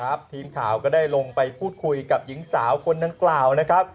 ทีมข่าวก็ได้ลงไปพูดคุยกับหญิงสาวคนดังกล่าวนะครับ